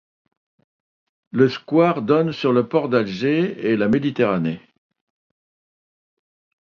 Le square donne sur le port d'Alger et la méditerranée.